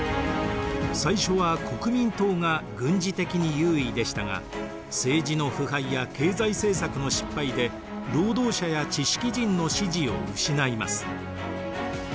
最初は国民党が軍事的に優位でしたが政治の腐敗や経済政策の失敗で労働者や知識人の支持を失います。